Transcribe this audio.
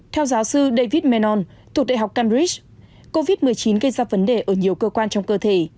theo giáo sư david menon thuộc đại học canbridg covid một mươi chín gây ra vấn đề ở nhiều cơ quan trong cơ thể